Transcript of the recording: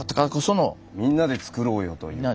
「みんなでつくろうよ」というか。